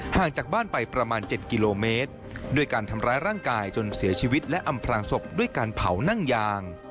ห่างจากบ้านไปประมาณ๗กิโลเมตรด้วยการทำร้ายร่างกายจนเสียชีวิตและอำพลางศพด้วยการเผานั่งยาง